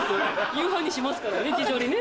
夕飯にしますからね地鶏ね。